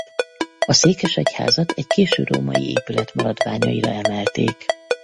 A székesegyházat egy késő római épület maradványaira emelték.